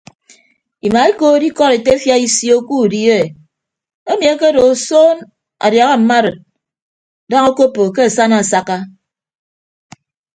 Imaa ekood ikọd etefia isio ke udi e emi akedo osoon adiaha mma arid daña okoppo ke asana asakka.